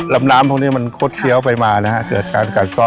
ลำน้ำพวกนี้มันคดเคี้ยวไปมานะฮะเกิดการกัดซ่อ